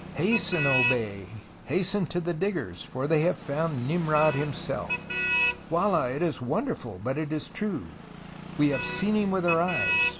Hasten, O Bey ! hasten to the diggers, for they have found Nimrod himself. Wallah, it is wonderful, but it is true. We have seen him with our eyes.